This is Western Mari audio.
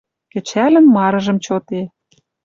Кӹчӓлӹн марыжым чоте